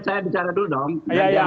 saya bicara dulu dong